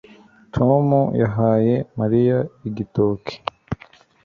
Tom yahaye Mariya igitoki